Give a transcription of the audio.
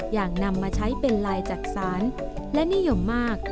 อย่างนำมาใช้เป็นลายจักษานและนิยมมาก